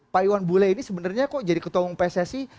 pak iwan bule ini sebenarnya kok jadi ketua umum pssi